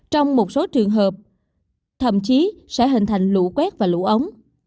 trong một số trường hợp thậm chí sẽ hình thành lũ quét và lũ ống